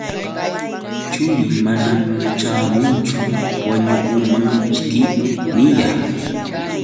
Churii manam ćhaamunchu, wañukunmanćhiki niyaa.